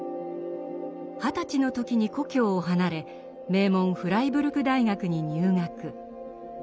二十歳の時に故郷を離れ名門フライブルク大学に入学。